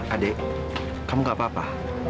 adik kamu gak apa apa